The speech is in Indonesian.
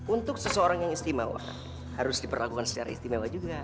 untuk seseorang yang istimewa harus diperlakukan secara istimewa juga